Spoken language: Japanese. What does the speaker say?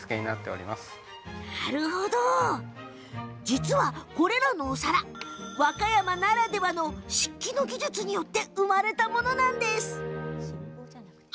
実は、これらのお皿和歌山ならではの漆器の技術によって生まれたものなんです。